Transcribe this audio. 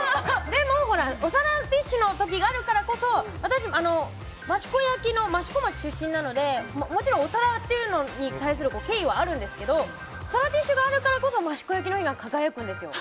でも、お皿ティッシュの時があるからこそ、私は益子焼の益子町出身なのでもちろんお皿に対する経緯はありますけど皿ティッシュがあるからこそ益子焼が輝くんです。